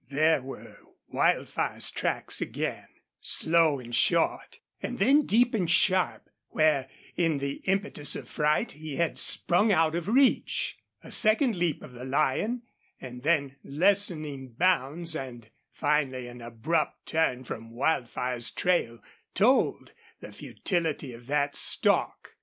There were Wildfire's tracks again, slow and short, and then deep and sharp where in the impetus of fright he had sprung out of reach. A second leap of the lion, and then lessening bounds, and finally an abrupt turn from Wildfire's trail told the futility of that stalk.